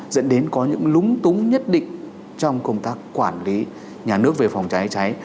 dẫn đến có những lúng túng nhất định trong công tác quản lý nhà nước về phòng cháy cháy